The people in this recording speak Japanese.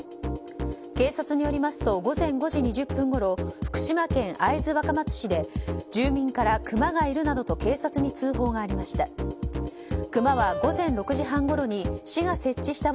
警察によりますと午前５時２０分ごろ福島県会津若松市で住民からクマがいるなどと警察に通報がありました。